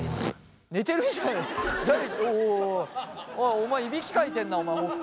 お前いびきかいてんなお前北斗。